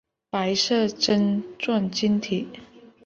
白色针状晶体。